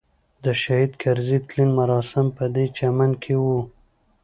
د شهید کرزي تلین مراسم پدې چمن کې وو.